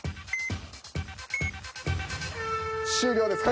終了です。